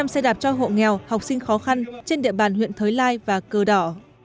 hai trăm linh xe đạp cho hộ nghèo học sinh khó khăn trên địa bàn huyện thới lai và cơ đỏ